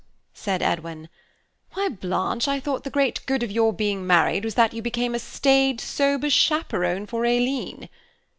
said Edwin, "Why, Blanche, I thought the great good of your being married was that you became a staid, sober chaperone for Aileen."